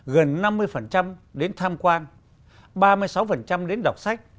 gần năm mươi đến tham quan ba mươi sáu đến đọc sách